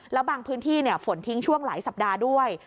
แล้วบางพื้นที่ฝนทิ้งช่วงหลายสัปดาห์ด้วย